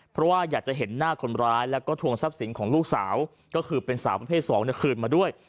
เพราะว่าอยากจะเห็นหน้าคนร้ายแล้วก็ทวงทรัพย์สินของลูกสาวก็คือเป็นสาวประเภท๒คืนมาด้วย